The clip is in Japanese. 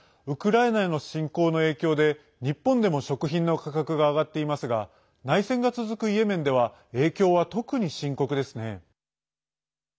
ウクライナへの侵攻の影響で日本でも食品の価格が上がっていますが内戦が続くイエメンでは影響は特に深刻ですね。